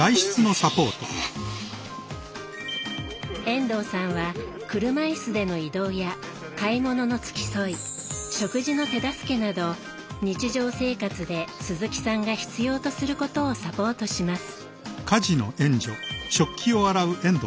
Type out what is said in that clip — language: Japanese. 遠藤さんは車いすでの移動や買い物の付き添い食事の手助けなど日常生活で鈴木さんが必要とすることをサポートします。